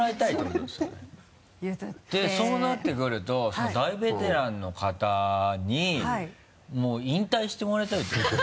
でそうなってくると大ベテランの方に引退してもらいたいってこと？